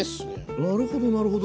なるほどなるほど。